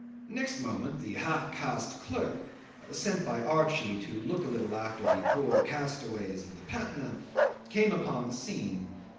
Next moment the half caste clerk, sent by Archie to look a little after the poor castaways of the Patna, came upon the scene.